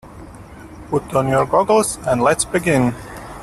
Put on your goggles and let's begin.